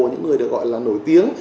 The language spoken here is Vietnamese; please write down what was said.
những người được gọi là nổi tiếng